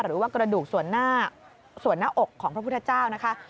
หรือว่ากระดูกสวดหน้าอกของพระพุทธเจ้า